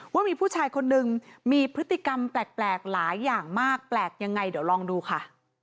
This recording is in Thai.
ว่ามีผู้ชายคนนึงมีพฤติกรรมแปลกหลายอย่างมากแปลกยังไงเดี๋ยวลองดูค่ะ